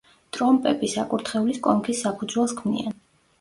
ტრომპები საკურთხევლის კონქის საფუძველს ქმნიან.